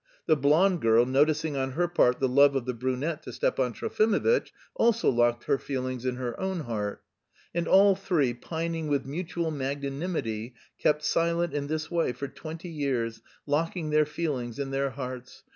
The blonde girl, noticing on her part the love of the brunette to Stepan Trofimovitch, also locked her feelings in her own heart. And all three, pining with mutual magnanimity, kept silent in this way for twenty years, locking their feelings in their hearts.